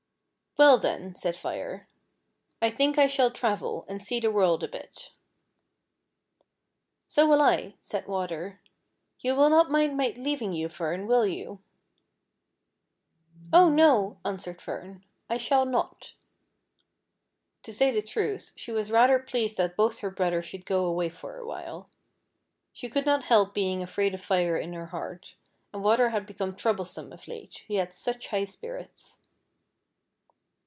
"Well, then," said Fire, "I think I shall travel, and see the world a bit." "So will 1" said Water. "You will not mind my leaving you, Fern, will you.''" " Oh no," answered Fern, " I shall not." To say FIRE AiVD WATER. 107 the trutli, she was rather pleased that both her brotliers should go away for a while. She could not help being afraid of Fire in her heart, and Water had become troublesome o{ late, he had such high spirits.